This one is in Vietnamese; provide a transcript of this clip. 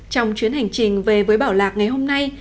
trong chuyến hành trình về với bảo lạc ngày hôm nay